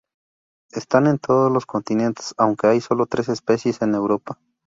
Están en todos los continentes, aunque hay solo tres especies en Europa.